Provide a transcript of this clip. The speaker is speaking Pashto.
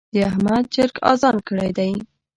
د احمد چرګ اذان کړی دی.